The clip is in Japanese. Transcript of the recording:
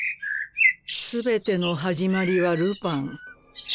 全ての始まりはルパン。